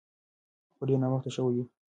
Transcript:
خو ډیر ناوخته شوی و.